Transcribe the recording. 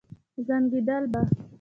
زنګېدل به.